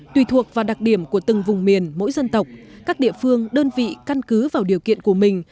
tùy thuộc vào đặc điểm của từng vùng miền mỗi dân tộc các địa phương đơn vị căn cứ vào điều kiện của mình